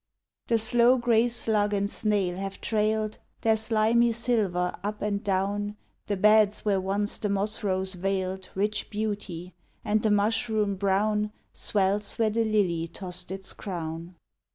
The slow gray slug and snail have trailed Their slimy silver up and down The beds where once the moss rose veiled Rich beauty; and the mushroom brown Swells where the lily tossed its crown.